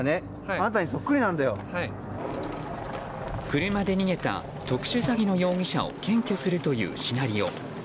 車で逃げた特殊詐欺の容疑者を検挙するというシナリオ。